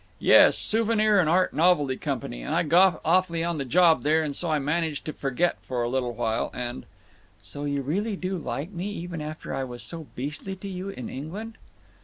"Yes. Souvenir and Art Novelty Company. And I got awfully on the job there, and so I managed to forget for a little while and—" "So you really do like me even after I was so beastly to you in England."